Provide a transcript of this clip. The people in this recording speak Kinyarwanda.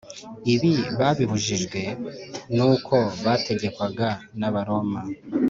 . Ibi babibujijwe n’uko bategekwaga n’Abaroma